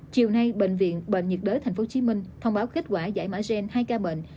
chiều nay bệnh viện bệnh nhiệt đới thành phố hồ chí minh thông báo kết quả giải mã gen hai ca bệnh